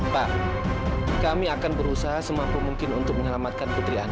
pak kami akan berusaha semampu mungkin untuk menyelamatkan putri anda